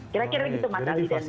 kira kira gitu mas aldi dan mbak dea